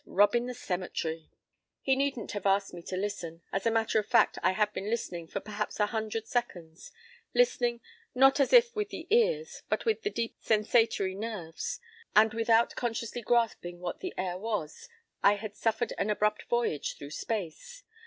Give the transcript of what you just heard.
Robbin' the cemetery!" He needn't have asked me to listen. As a matter of fact I had been listening for perhaps a hundred seconds; listening, not as if with the ears, but with the deeper sensatory nerves. And without consciously grasping what the air was I had suffered an abrupt voyage through space.